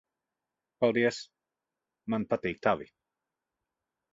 Paldies. Man patīk tavi.